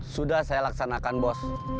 sudah saya laksanakan bos